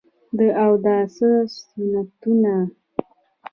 د اوداسه سنتونه: